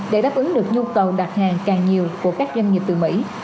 để đáp ứng được nhu cầu đặt hàng càng nhiều của các doanh nghiệp từ mỹ